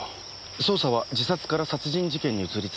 捜査は自殺から殺人事件に移りつつあります。